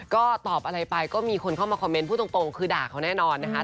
ก็ตอบอะไรไปก็มีคนเข้ามาคอมเมนต์พูดตรงคือด่าเขาแน่นอนนะคะ